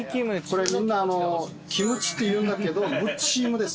これみんなキムチっていうんだけどムチムです